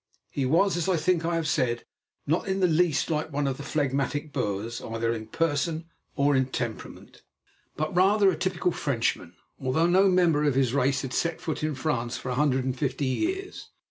He was, as I think I have said, not in the least like one of the phlegmatic Boers, either in person or in temperament, but, rather, a typical Frenchman, although no member of his race had set foot in France for a hundred and fifty years.